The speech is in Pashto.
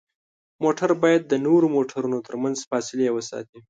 موټر باید د نورو موټرونو ترمنځ فاصلې وساتي.